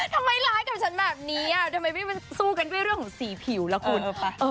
ทำร้ายกับฉันแบบนี้ทำไมไม่สู้กันด้วยเรื่องของสีผิวล่ะคุณ